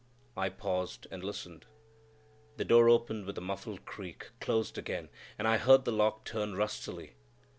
I paused and listened. The door opened with a muffled creak, closed again, and I heard the lock turn rustily.